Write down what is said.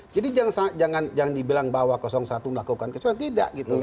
jadi jangan dibilang bahwa satu melakukan kecurangan tidak gitu